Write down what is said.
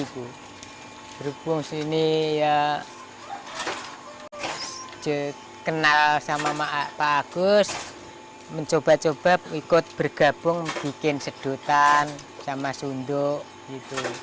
berhubung sini ya kenal sama pak agus mencoba coba ikut bergabung bikin sedotan sama sunduk gitu